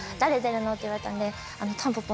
って言われたんで。